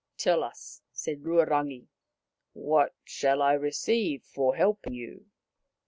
" Tell us," said Ruarangi. " What shall I receive for helping you